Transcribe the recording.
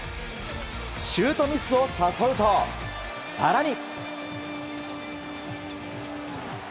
シュートミスを誘うと、更に。